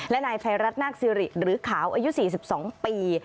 และนายไฟรัตน์นักศิริหรือขาวอายุ๔๒ปี